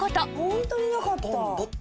ホントになかった。